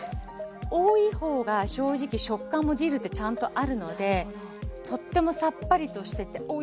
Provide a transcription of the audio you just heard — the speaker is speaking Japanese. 多いほうが正直食感もディルってちゃんとあるのでとってもさっぱりとしてておいしいんですこれ。